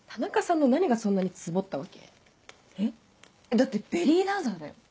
だってベリーダンサーだよ？